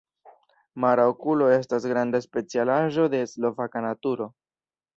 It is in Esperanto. Mara okulo estas granda specialaĵo de slovaka naturo.